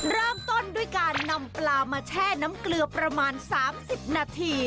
เริ่มต้นด้วยการนำปลามาแช่น้ำเกลือประมาณ๓๐นาที